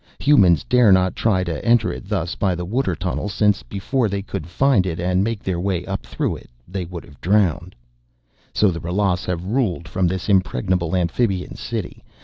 Humans dare not try to enter it thus by the water tunnel, since, before they could find it and make their way up through it, they would have drowned. "So the Ralas have ruled from this impregnable amphibian city.